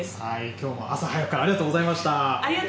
きょうも朝早くからありがとうございました。